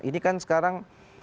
ini kan sekarang